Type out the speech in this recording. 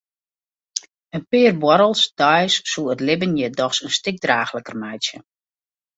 In pear buorrels deis soe it libben hjir dochs in stik draachliker meitsje.